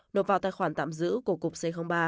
nộp vào tài khoản tạm giữ của cục c ba